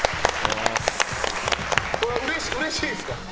うれしいですか？